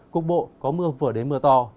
cục bộ có mưa vừa đến mưa to